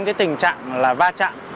cái tình trạng là va chạm